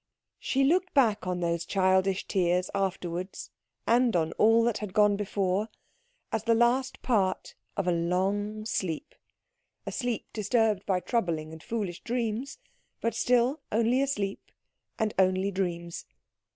She looked back on those childish tears afterwards, and on all that had gone before, as the last part of a long sleep; a sleep disturbed by troubling and foolish dreams, but still only a sleep and only dreams.